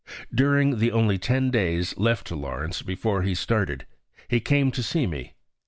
During the only ten days left to Lawrence before he started, he came to see me.